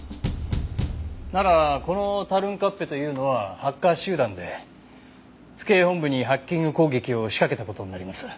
ならこのタルンカッペというのはハッカー集団で府警本部にハッキング攻撃を仕掛けた事になります。